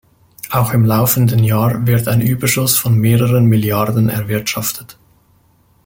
Auch im laufenden Jahr wird ein Überschuss von mehreren Milliarden erwirtschaftet.